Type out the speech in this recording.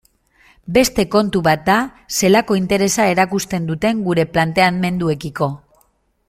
Beste kontu bat da zelako interesa erakusten duten gure planteamenduekiko.